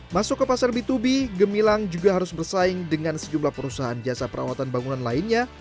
masuk ke pasar b dua b gemilang juga harus bersaing dengan sejumlah perusahaan jasa perawatan bangunan lainnya